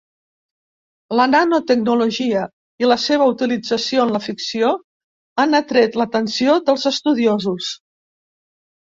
La nanotecnologia i la seva utilització en la ficció han atret l'atenció dels estudiosos.